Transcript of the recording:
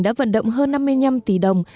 đã vận động hơn năm mươi năm tỷ đồng